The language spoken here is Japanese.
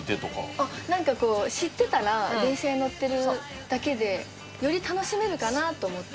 なんか知ってたら電車に乗ってるだけでより楽しめるかなと思って。